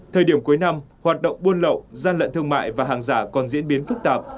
thời điểm cuối năm hoạt động buôn lậu gian lận thương mại và hàng giả còn diễn biến phức tạp